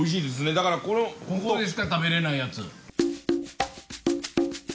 ここでしか食べれないやつ。